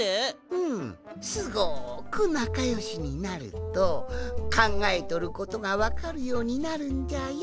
うんすごくなかよしになるとかんがえとることがわかるようになるんじゃよ。